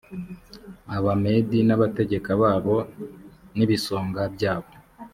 abamedi n abategeka babo n ibisonga byabo